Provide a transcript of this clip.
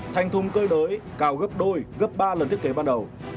thành thùng cơi nới cao gấp đôi gấp ba lần thiết kế ban đầu